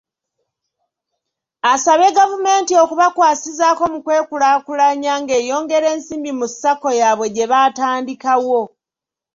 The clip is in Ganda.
Asabye gavumenti okubakwasizaako mu kwekulaakulanya ng'eyongera ensimbi mu Sacco yaabwe gye baatandikawo.